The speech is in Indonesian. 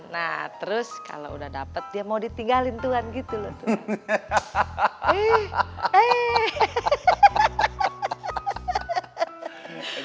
nah terus kalau udah dapet dia mau ditinggalin tuhan gitu loh tuh